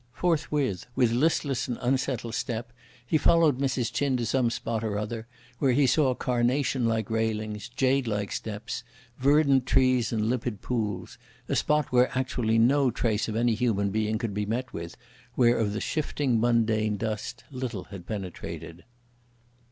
Forthwith, with listless and unsettled step, he followed Mrs. Ch'in to some spot or other, where he saw carnation like railings, jade like steps, verdant trees and limpid pools a spot where actually no trace of any human being could be met with, where of the shifting mundane dust little had penetrated.